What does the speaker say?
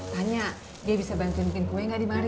tanya dia bisa bantuin bikin kue gak di mana